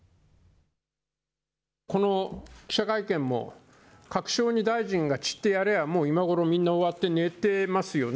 この記者会見も、各省に大臣が散ってやりゃ、今頃みんな終わって寝てますよね。